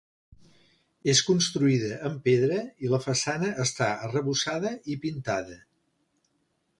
És construïda amb pedra i la façana està arrebossada i pintada.